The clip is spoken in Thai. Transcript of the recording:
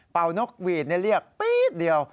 นกหวีดเรียกปี๊ดเดียว